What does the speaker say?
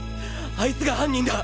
あいつが犯人だ！